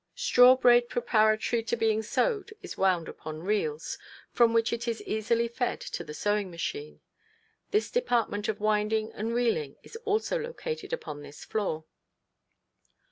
] Straw braid preparatory to being sewed is wound upon reels, from which it is easily fed to the sewing machine; this department of winding and reeling is also located upon this floor.